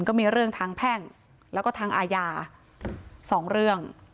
ก็มีเรื่องทางแพ่งแล้วก็ทางอาญา๒เรื่อง